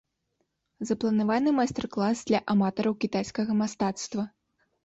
Запланаваны майстар-клас для аматараў кітайскага мастацтва.